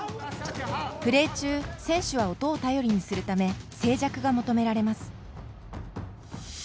プレー中選手は音を頼りにするため静寂が求められます。